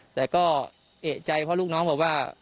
แต่ก็เอกใจเพราะลูกน้องบอกว่า